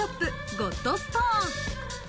・ゴッドストーン。